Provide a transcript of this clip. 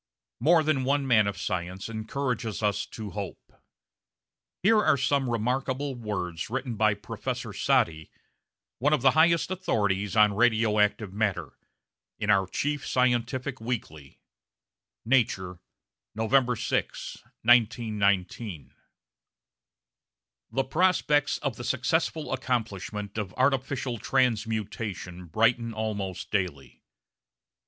More than one man of science encourages us to hope. Here are some remarkable words written by Professor Soddy, one of the highest authorities on radio active matter, in our chief scientific weekly (Nature, November 6, 1919): The prospects of the successful accomplishment of artificial transmutation brighten almost daily.